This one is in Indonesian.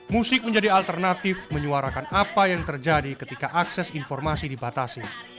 musik menjadi alternatif menyuarakan apa yang terjadi ketika akses informasi dibatasi